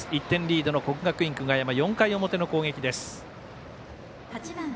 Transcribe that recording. １点リードの国学院久我山４回の表の攻撃です。